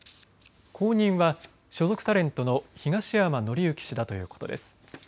後任は所属タレントの東山紀之氏だということです。